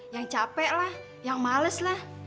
yang capek lah yang males lah